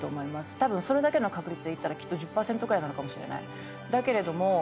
多分それだけの確率でいったらきっと１０パーセントぐらいなのかもしれない。